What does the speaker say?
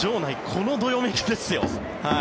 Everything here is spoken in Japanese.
このどよめきですよ。